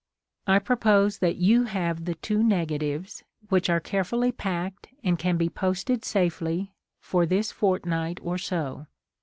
I propose that you have the two nega tives, which are carefully packed and can be posted safely, for this fortnight or so.